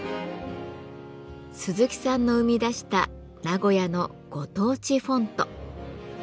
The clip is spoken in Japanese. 鈴木さんの生み出した名古屋のご当地フォント。